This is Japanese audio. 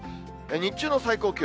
日中の最高気温。